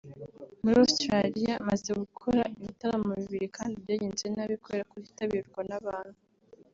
Muri Australia maze gukora ibitaramo bibiri kandi byagenze nabi kubera kutitabirwa n’abantu